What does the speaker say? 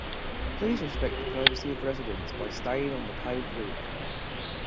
Please respect the privacy of residents by staying on the paved route.